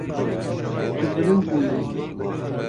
Tu bilind bûyî.